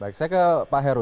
baik saya ke pak heru